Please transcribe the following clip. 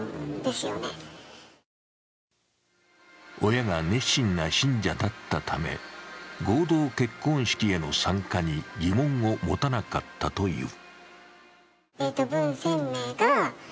親が熱心な信者だったため、合同結婚式への参加に疑問を持たなかったという。